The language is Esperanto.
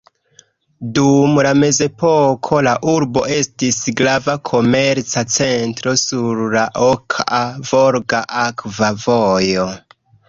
Dum la mezepoko la urbo estis grava komerca centro sur la Okaa-Volga akva vojo.